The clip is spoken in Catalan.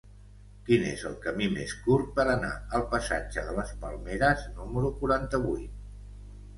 Quin és el camí més curt per anar al passatge de les Palmeres número quaranta-vuit?